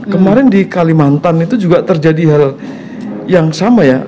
kemarin di kalimantan itu juga terjadi hal yang sama ya